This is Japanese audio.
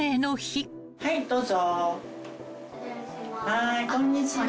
はいこんにちは。